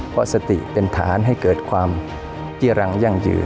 เพราะสติเป็นฐานให้เกิดความเจี้รังยั่งยืน